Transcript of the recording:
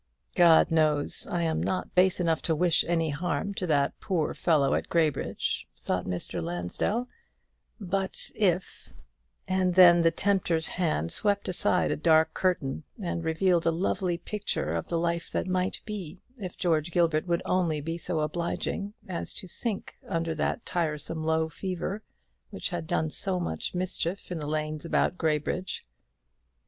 "God knows I am not base enough to wish any harm to that poor fellow at Graybridge," thought Mr. Lansdell; "but if " And then the Tempter's hand swept aside a dark curtain, and revealed a lovely picture of the life that might be, if George Gilbert would only be so obliging as to sink under that tiresome low fever which had done so much mischief in the lanes about Graybridge.